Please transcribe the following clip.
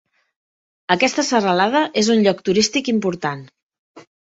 Aquesta serralada és un lloc turístic important.